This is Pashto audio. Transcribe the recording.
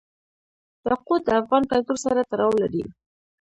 یاقوت د افغان کلتور سره تړاو لري.